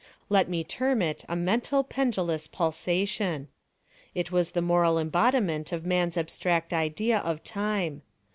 Let me term it a mental pendulous pulsation. It was the moral embodiment of man's abstract idea of Time.